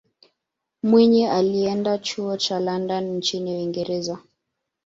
mwinyi alienda chuo cha london nchini uingereza